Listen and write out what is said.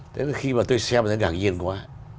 đến khi mà tôi xem nó ngạc nhiên quá